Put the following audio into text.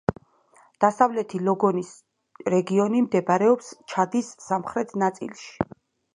დასავლეთი ლოგონის რეგიონი მდებარეობს ჩადის სამხრეთ ნაწილში.